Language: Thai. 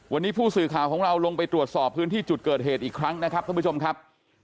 วันนี้ผู้สื่อข่าวของเราลงไปตรวจสอบพื้นที่จุดเกิดเหตุอีกครั้งนะครับท่านผู้ชมครับ